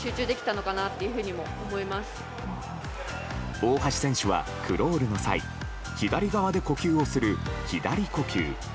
大橋選手はクロールの際左側で呼吸をする左呼吸。